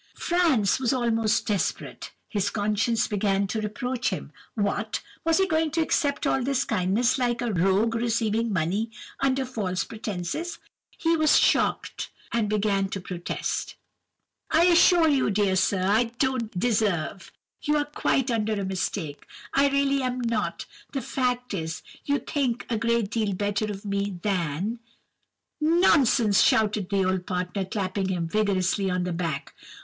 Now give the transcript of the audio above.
"Franz was almost desperate. His conscience began to reproach him. What! was he going to accept all this kindness, like a rogue receiving money under false pretences? He was shocked, and began to protest:— "'I assure you, dear sir, I don't deserve—You are quite under a mistake—I really am not—the fact is, you think a great deal better of me than—" "'Nonsense!' shouted the old partner, clapping him vigorously on the back.